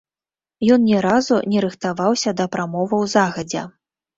Ён ні разу не рыхтаваўся да прамоваў загадзя.